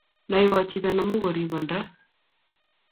Naywoo chito ne mukuribon ra